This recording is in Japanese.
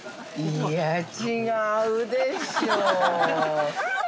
◆いや、違うでしょ。